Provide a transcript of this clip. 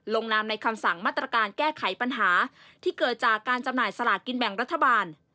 นามในคำสั่งมาตรการแก้ไขปัญหาที่เกิดจากการจำหน่ายสลากกินแบ่งรัฐบาล